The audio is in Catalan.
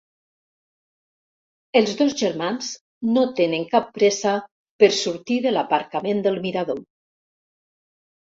Els dos germans no tenen cap pressa per sortir de l'aparcament del mirador.